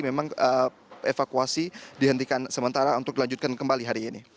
memang evakuasi dihentikan sementara untuk dilanjutkan kembali hari ini